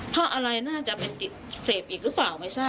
เพราะอะไรน่าจะเป็นติดเสพอีกหรือเปล่าไม่ใช่